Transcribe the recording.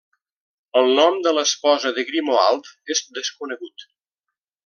El nom de l'esposa de Grimoald és desconegut.